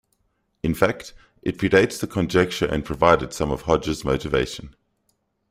In fact, it predates the conjecture and provided some of Hodge's motivation.